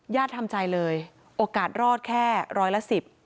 ญาติทำใจเลยโอกาสรอดแค่ร้อยละ๑๐